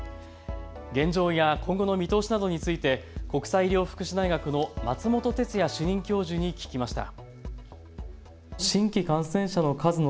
現状や今後の見通しなどについて国際医療福祉大学の松本哲哉主任教授に聞きました。